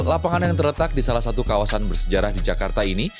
lapangan yang terletak di salah satu kawasan bersejarah di jakarta ini